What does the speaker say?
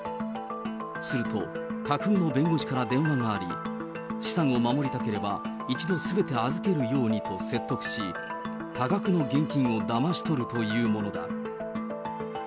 すると、架空の弁護士から電話があり、資産を守りたければ、一度すべて預けるようにと説得し、多額の現金をだまし取るというものだ。